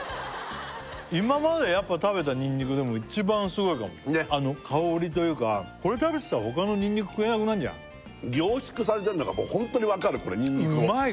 今まで食べたにんにくでも一番すごいかも香りというかこれ食べてたらほかのにんにく食えなくなるじゃん凝縮されてるのがホントにわかるこれにんにくをうまい